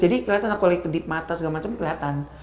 jadi keliatan aku lagi ketip mata segala macem keliatan